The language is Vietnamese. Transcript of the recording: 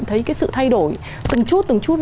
thấy cái sự thay đổi từng chút từng chút